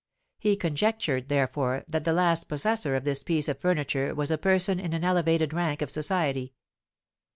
He conjectured, therefore, that the last possessor of this piece of furniture was a person in an elevated rank of society.